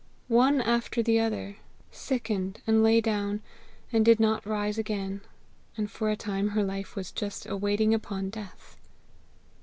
One after the other sickened and lay down, and did not rise again; and for a time her life was just a waiting upon death.